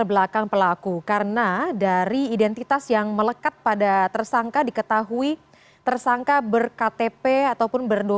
baru saja kita mendengarkan berita berita yang berbeda